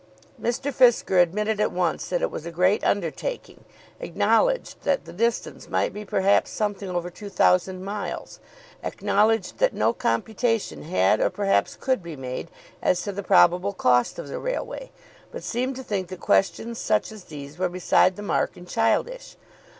Mr. Fisker admitted at once that it was a great undertaking, acknowledged that the distance might be perhaps something over 2,000 miles, acknowledged that no computation had or perhaps could be made as to the probable cost of the railway; but seemed to think that questions such as these were beside the mark and childish.